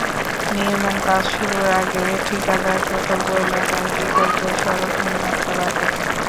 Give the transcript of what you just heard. নির্মাণকাজ শুরুর আগে ঠিকাদার প্রকল্প এলাকায় বিকল্প সড়ক নির্মাণ করার কথা।